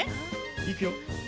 いくよ。